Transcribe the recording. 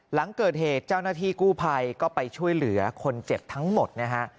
หลังเกิดเหตุเจ้าหน้าที่กู้ภัยก็ไปช่วยเหลือคนเจ็บทั้งหมดนะฮะ